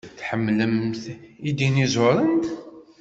Tḥemmlemt idinuẓuren?